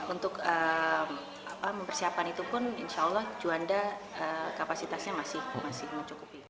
untuk mempersiapkan itu pun insya allah juanda kapasitasnya masih mencukupi